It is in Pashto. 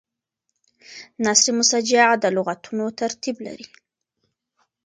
نثر مسجع د لغتونو ترتیب لري.